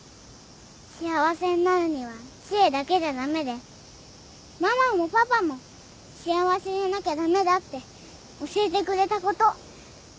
幸せになるには知恵だけじゃダメでママもパパも幸せじゃなきゃダメだって教えてくれたこと。